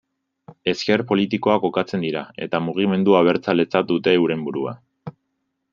Ezker politikoa kokatzen dira, eta mugimendu abertzaletzat dute euren burua.